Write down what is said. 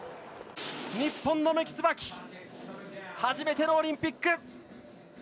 日本の三木つばき初めてのオリンピック。